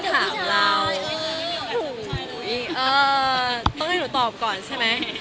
ต้องให้หนูตอบก่อนใช่ไหม